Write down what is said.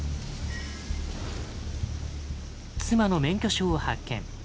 妻の免許証を発見。